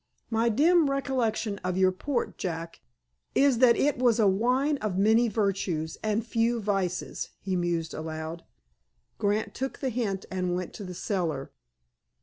"My dim recollection of your port, Jack, is that it was a wine of many virtues and few vices," he mused aloud. Grant took the hint, and went to a cellar.